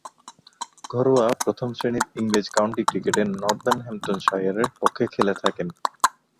ঘরোয়া প্রথম-শ্রেণীর ইংরেজ কাউন্টি ক্রিকেটে নর্দাম্পটনশায়ারের পক্ষে খেলে থাকেন।